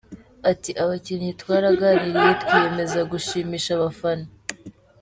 Ati: “Abakinnyi twaraganiriye twiyemeza gushimisha abafana.